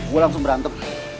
gua langsung berantem